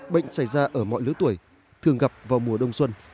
bệnh xảy ra ở mọi lứa tuổi thường gặp vào mùa đông xuân